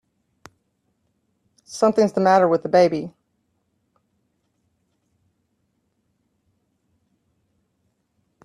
Something's the matter with the baby!